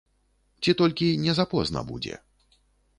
Ці толькі не запозна будзе.